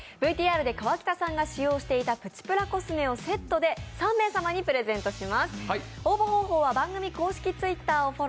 ＶＴＲで河北さんが使用していたプチプラコスメをセットで３名様にプレゼントします